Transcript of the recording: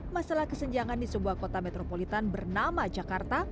masalah kesenjangan di sebuah kota metropolitan bernama jakarta